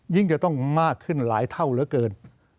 จะต้องมากขึ้นหลายเท่าเหลือเกิน